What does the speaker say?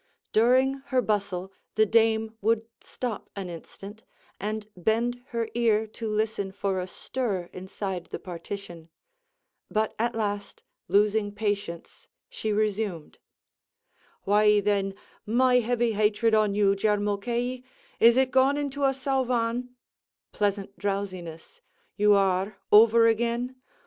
During her bustle the dame would stop an instant, and bend her ear to listen for a stir inside the partition; but at last losing patience she resumed: "Why, then, my heavy hatred on you, Jer Mulcahy, is it gone into a sauvaun [pleasant drowsiness] you are, over again?